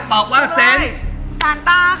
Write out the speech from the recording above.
ตอบว่าเซ็นต์ซานต้าค่ะ